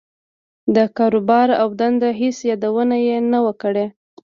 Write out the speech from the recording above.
د کاروبار او دندې هېڅ يادونه يې نه وه کړې.